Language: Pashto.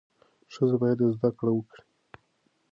ښځه باید زده کړه وکړي.